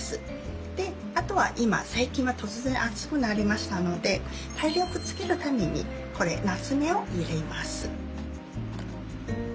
あとは最近は突然暑くなりましたので体力つけるためになつめを入れます。